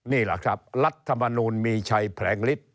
นี่แหละครับรัฐมนูลมีชัยแผลงฤทธิ